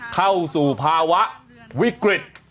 เข้าสู่ภาวะวิกฤต